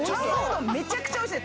めちゃくちゃおいしい！